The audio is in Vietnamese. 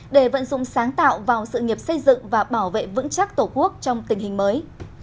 để vận dụng sáng tạo vào sự nghiệp xây dựng và bảo vệ vững chắc tổ quốc trong tình hình mới